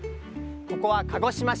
ここは鹿児島市。